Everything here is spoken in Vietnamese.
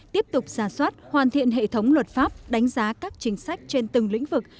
tiếp tục giả soát hoàn thiện hệ thống luật pháp đánh giá các chính sách trên từng lĩnh vực